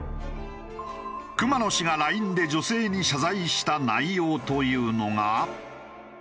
熊野氏がＬＩＮＥで女性に謝罪した内容というのが。